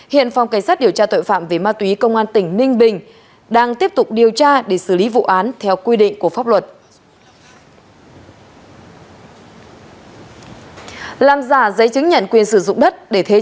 hiện phòng cảnh sát điều tra tội phạm về ma túy công an tỉnh ninh bình đang tiếp tục điều tra để xử lý vụ án theo quy định của pháp luật